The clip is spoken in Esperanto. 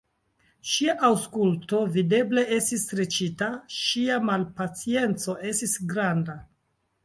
Ŝia aŭskulto videble estis streĉita, ŝia malpacienco estis granda.